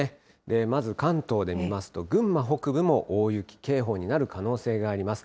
まず、関東で見ますと、群馬北部も大雪警報になる可能性があります。